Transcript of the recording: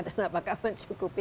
dan apakah mencukupi